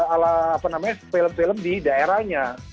ala apa namanya film film di daerahnya